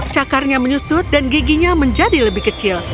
cakarnya menyusut dan giginya menjadi lebih kecil